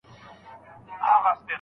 چي قبر ته راځې زما به پر شناخته وي لیکلي